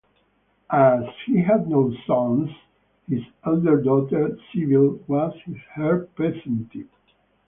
As he had no sons, his elder daughter Sibyl was his heir presumptive.